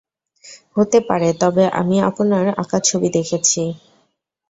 হতে পারে, তবে আমি আপনার আঁকা ছবি দেখেছি।